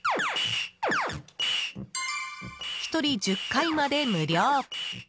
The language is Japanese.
１人１０回まで無料。